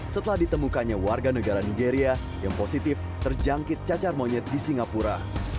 setelah ditemukannya warga negara nigeria yang positif terjangkit cacar monyet di singapura